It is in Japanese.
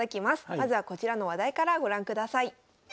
まずはこちらの話題からご覧ください。